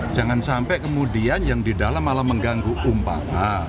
jangan sampai kemudian yang di dalam malah mengganggu umpama